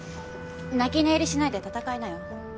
泣き寝入りしないで戦いなよ。